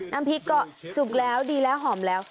น้ำพริกก็สุกแล้วดีแล้วหอมแล้ว